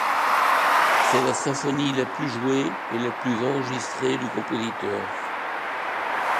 C'est la symphonie la plus jouée et la plus enregistrée du compositeur.